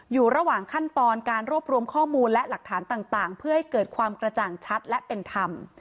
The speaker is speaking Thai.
อยู่ระหว่างขั้นตอนการรวบรวมข้อมูลและหลักฐานต่างเพื่อให้เกิดความกระจ่างชัดและเป็นธรรม